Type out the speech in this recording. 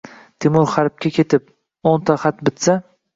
Temur harbga ketib, o’nta xat bitsa: